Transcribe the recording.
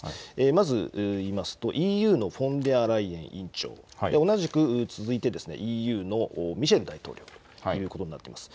まず、いいますと、ＥＵのフォンデアライエン委員長、同じく続いて、ＥＵのミシェル大統領ということになっています。